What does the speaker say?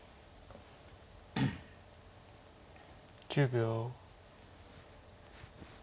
１０秒。